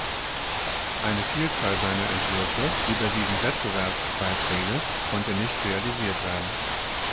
Eine Vielzahl seiner Entwürfe, überwiegend Wettbewerbsbeiträge, konnte nicht realisiert werden.